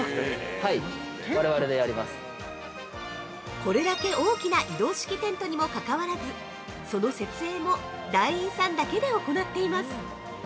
◆これだけ大きな移動式テントにも関わらず、その設営も団員さんだけで行っています。